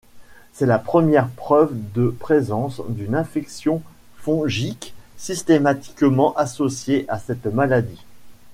C'est la première preuve de présence d'une infection fongique systématiquement associée à cette maladie.